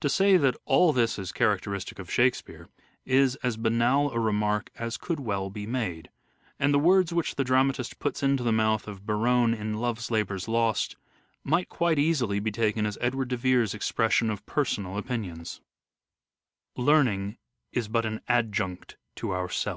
To say that all this is characteristic of Shakespeare is as banal a remark as could well be made ; and the words which the dramatist puts into the mouth of Berowne in " Love's Labour's Lost " might quite easily be taken as Edward de Vere's expression of personal opinions : "Learning is but an adjunct to ourself."